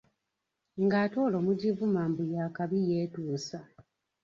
Ng’ate olwo mugivuma mbu yakabi yeetuusa.